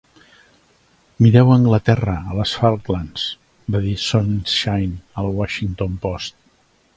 "Mireu Anglaterra, a les Falklands", va dir Sonenshein al "Washington Post".